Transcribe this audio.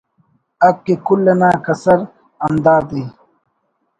حقءِ کل انا کسر ہندادے